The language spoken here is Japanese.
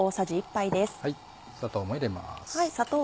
砂糖も入れます。